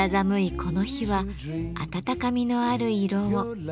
この日は温かみのある色を。